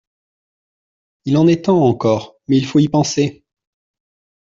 Il en est temps encore, mais il faut y penser…